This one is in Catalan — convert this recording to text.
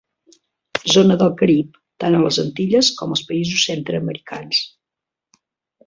Zona del Carib, tant a les Antilles com als països centreamericans.